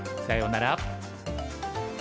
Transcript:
さようなら！